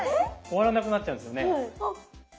終わらなくなっちゃうんですよね。